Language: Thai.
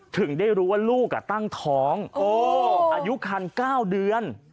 ถึงได้รู้ว่าลูกตั้งท้องอายุคัน๙เดือน